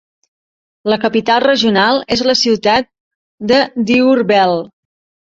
La capital regional és la ciutat de Diourbel.